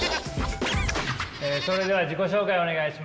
それでは自己紹介お願いします。